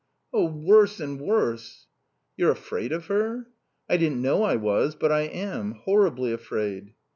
"Oh, worse and worse!" "You're afraid of her?" "I didn't know I was. But I am. Horribly afraid."